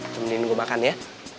temenin gue makan ya